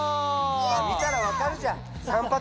見たらわかるじゃ。